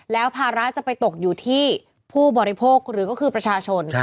แล้วภาระจะไปตกอยู่ที่ผู้บริโภคหรือก็คือประชาชน